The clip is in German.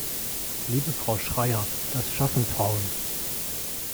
Liebe Frau Schreyer, das schaffen Frauen!